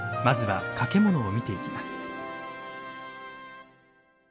まずは掛物を見ていきます。